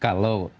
kalau secara jelas